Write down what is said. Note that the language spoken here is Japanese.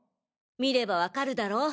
見ればわかるだろ？